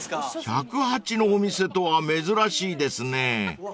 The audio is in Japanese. ［尺八のお店とは珍しいですね］